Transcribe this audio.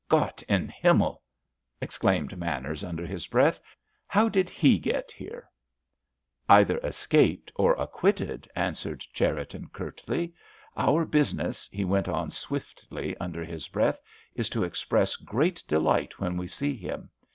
"Gott in Himmel!" exclaimed Manners under his breath. "How did he get here?" "Either escaped or acquitted," answered Cherriton, curtly. "Our business," he went on swiftly, under his breath, "is to express great delight when we see him.